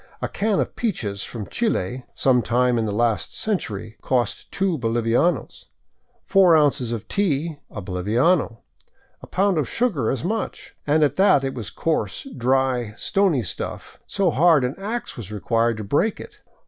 A can of peaches from Chile — some time in the last century — cost two bolivianos; four ounces of tea, a boliviano, a pound of sugar as much, and at that it was a coarse, dirty, stony stuff, so hard an ax was required to break it.